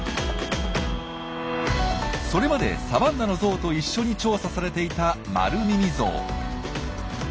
それまでサバンナのゾウと一緒に調査されていたマルミミゾウ。